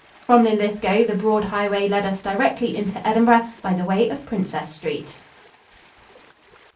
From Linlithgow the broad highway led us directly into Edinburgh by the way of Princess Street.